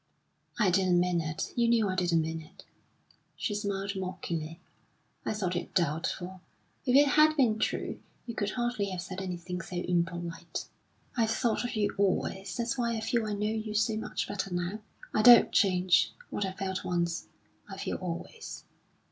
"I didn't mean it. You knew I didn't mean it." She smiled mockingly. "I thought it doubtful. If it had been true, you could hardly have said anything so impolite." "I've thought of you always. That's why I feel I know you so much better now. I don't change. What I felt once, I feel always."